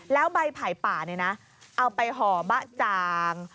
แล้วใบไผ่ป่าเนี่ยนะเอาไปห่อบะจาง